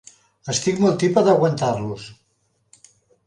Estic molt tipa d'aguantar-los.